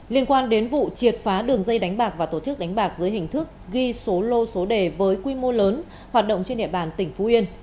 liên quan đến vụ triệt phá đường dây đánh bạc và tổ chức đánh bạc dưới hình thức ghi số lô số đề với quy mô lớn hoạt động trên địa bàn tỉnh phú yên